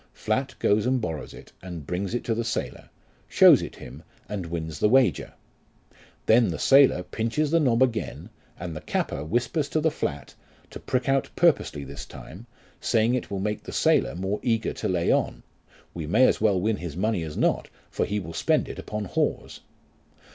Flat goes and borrows it, and brings it to the sailor, shows it him, and wins the wager ; then the sailor pinches the nob again, and the capper whispers to the flat, to prick out purposely this time, saying it will make the sailor more eager to lay on ; we may as well win his money as not, for he will spend it upon whores.